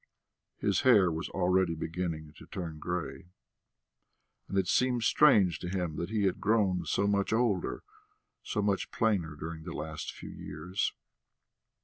His hair was already beginning to turn grey. And it seemed strange to him that he had grown so much older, so much plainer during the last few years.